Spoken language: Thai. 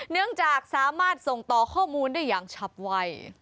เนื่องจากสามารถส่งต่อข้อมูลได้อย่างชับไว